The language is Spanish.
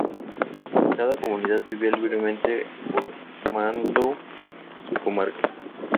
Cada comunidad vivía libremente formando su comarca.